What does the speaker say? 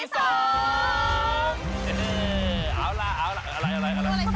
ฮัลโหลสวัสดีค่ะ